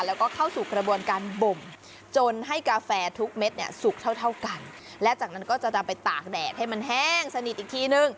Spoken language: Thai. แล้วก็เข้าสู่กระบวนการบ่มจนให้กาแฟทุกเม็ดเนี่ยสุกเท่าเท่ากันและจากนั้นก็จะนำไปตากแดดให้มันแห้งสนิทอีกทีนึง